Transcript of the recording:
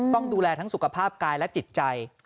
ต้องดูแลทั้งสุขภาพกายและจิตใจ